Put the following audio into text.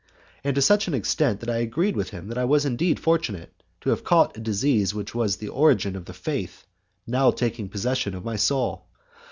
And to such an extent, that I agreed with him that I was indeed fortunate to have caught a disease which was the origin of the faith now taking possession of my soul.